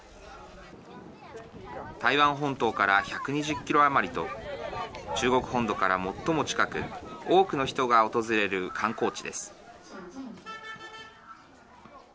台湾本島から１２０キロ余りと中国本土から最も近く多くの人が訪れる観光地です。